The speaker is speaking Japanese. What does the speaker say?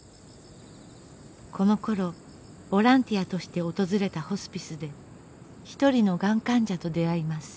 このころボランティアとして訪れたホスピスでひとりのがん患者と出会います。